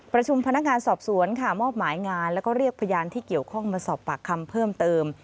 ประชุมพนักงานสอบสวนค่ะมอบหมายงานแล้วก็เรียกพยานที่เกี่ยวข้องมาสอบปากคำเพิ่มเติม